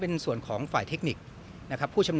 มีใครไปดึงปั๊กหรือว่า